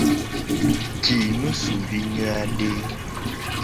Ji ngusuvi nyoede.